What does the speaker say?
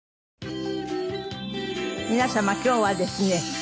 皆様今日はですね